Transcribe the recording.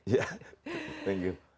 ya terima kasih